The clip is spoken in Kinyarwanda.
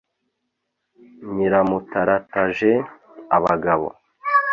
Nyiramutarataje abagabo